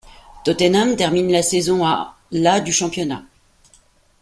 Tottenham termine la saison à la du championnat.